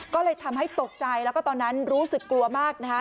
ก็เลยทำให้ตกใจแล้วก็ตอนนั้นรู้สึกกลัวมากนะคะ